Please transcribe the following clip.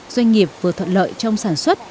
doanh nghiệp vừa thuận lợi trong sản xuất